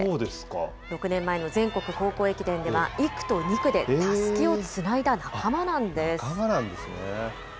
６年前の全国高校駅伝では、１区と２区でたすきをつないだ仲間なんです。